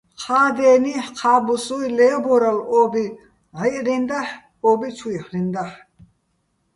ჴა დენიჰ̦, ჴა ბუსუ́ჲ ლე́ვბორალო̆ ო́ბი ნჵაჲჸრენდაჰ̦, ო́ბი ჩუჲჰ̦რენდაჰ̦.